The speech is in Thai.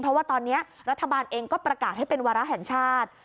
เพราะว่าตอนนี้รัฐบาลเองก็ประกาศให้เป็นวาระแห่งชาติ